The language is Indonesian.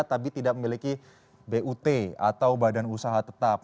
tapi tidak memiliki but atau badan usaha tetap